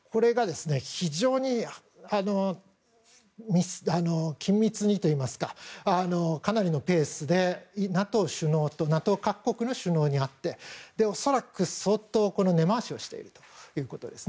非常に緊密にといいますかかなりのペースでＮＡＴＯ各国の首脳に会って恐らく相当根回しをしているということです。